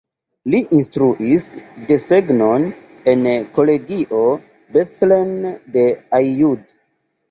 Li instruis desegnon en Kolegio Bethlen de Aiud.